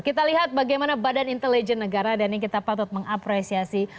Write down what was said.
kita lihat bagaimana badan intelijen negara dan ini kita patut mengapresiasi